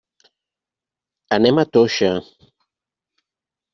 Anem a Toixa.